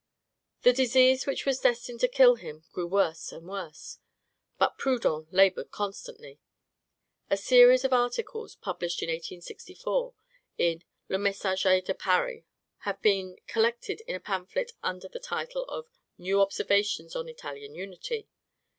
The disease which was destined to kill him grew worse and worse; but Proudhon labored constantly!... A series of articles, published in 1864 in "Le Messager de Paris," have been collected in a pamphlet under the title of "New Observations on Italian Unity."